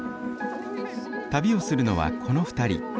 旅をするのはこの２人。